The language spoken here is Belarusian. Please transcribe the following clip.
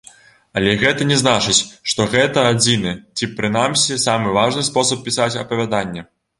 Але гэта не значыць, што гэта адзіны, ці прынамсі самы важны спосаб пісаць апавяданні.